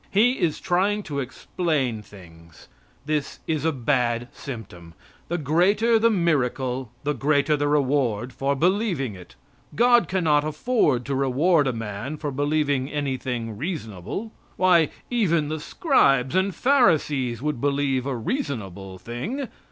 He is trying to explain things. That is a bad symptom. The greater the miracle the greater the reward for believing it. God cannot afford to reward a man for believing anything reasonable. Why, even the scribes and Pharisees would believe a reasonable thing.